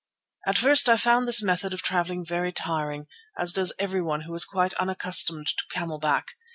At first I found this method of travelling very tiring, as does everyone who is quite unaccustomed to camel back.